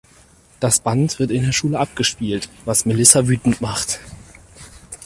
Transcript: Das Band wird in der Schule abgespielt, was Melissa wütend macht.